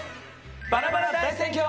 バラバラ大選挙！